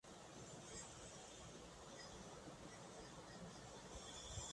এই ঘটনা অনলাইন প্রকাশনার জগতে শিরোনামের একটি ঢেউ তোলে।